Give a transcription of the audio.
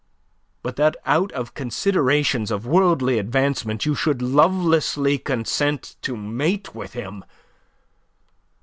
But that out of considerations of worldly advancement you should lovelessly consent to mate with him...